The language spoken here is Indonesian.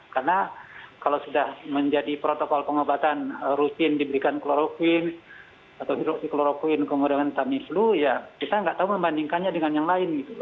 karena kalau sudah menjadi protokol pengobatan rutin diberikan kloroquine atau hidroksikloroquine kemudian tamiflu ya kita nggak tahu membandingkannya dengan yang lain gitu loh